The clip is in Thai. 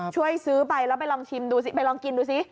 ช่วยซื้อไปแล้วไปลองชิมดูสิไปลองกินดูซิ